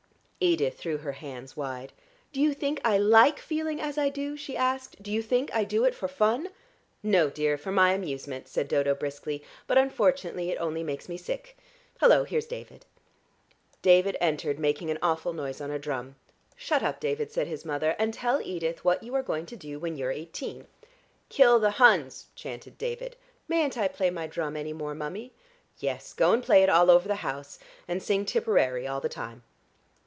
Edith threw her hands wide. "Do you think I like feeling as I do?" she asked. "Do you think I do it for fun?" "No, dear, for my amusement," said Dodo briskly. "But unfortunately it only makes me sick. Hullo, here's David." David entered making an awful noise on a drum. "Shut up, David," said his mother, "and tell Edith what you are going to do when you're eighteen." "Kill the Huns," chanted David. "Mayn't I play my drum any more, mummy?" "Yes, go and play it all over the house. And sing Tipperary all the time."